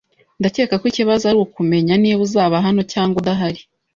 Ndakeka ko ikibazo ari ukumenya niba uzaba hano cyangwa udahari.